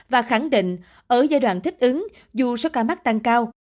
và khẳng định ở giai đoạn thích ứng dù số ca mắc tăng cao